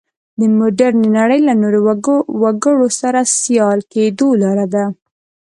د مډرنې نړۍ له نورو وګړو سره سیال کېدو لاره ده.